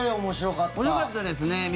面白かったですね。